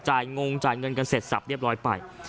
งงจ่ายเงินกันเสร็จสับเรียบร้อยไป